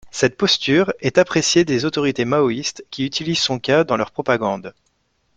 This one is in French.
Cette posture est appréciée des autorités maoïstes qui utilisent son cas dans leur propagande.